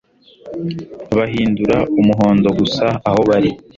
Bahindura umuhondo gusa aho bari